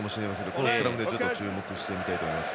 このスクラム注目したいと思います。